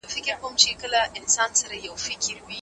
د خپلو حقونو د پوهیدو لپاره تعلیم ضروري دی.